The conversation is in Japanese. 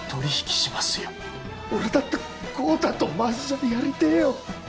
俺だって豪太と漫才やりてえよ。